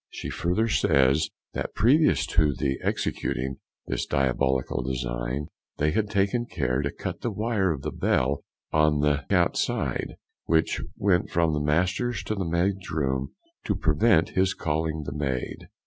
She further says, that previous to the excuting this diabolical design, they had taken care to cut the wire of the bell on tke outside, which went from the master's to the maid's room, to prevent his calling the maid.